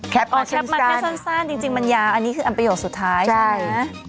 อ๋อแคปมันแค่สั้นสั้นจริงจริงมันยาอันนี้คืออันประโยชน์สุดท้ายใช่ไหมใช่